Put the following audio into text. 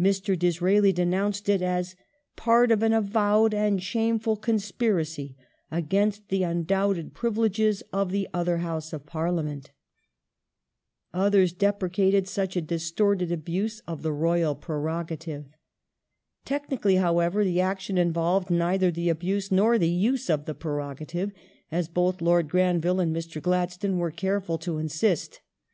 Mr. Disraeli denounced it as " part of an avowed and shameful conspiracy against the undoubted privileges of the other House of Pai'liament ". Others deprecated such a distorted abuse of the Royal Prerogative. Technically, however, the action involved neither the abuse nor the use of the Prerogative, as both Lord Granville and Mr. Gladstone were careful to insist.